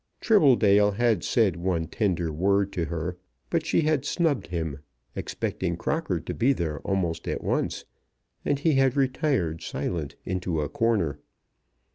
Tribbledale had said one tender word to her; but she had snubbed him, expecting Crocker to be there almost at once, and he had retired silent into a corner.